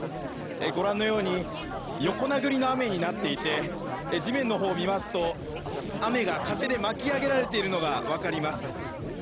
ご覧のように横殴りの雨になっていて地面のほうを見ますと、雨が風で巻き上げられているのが分かります。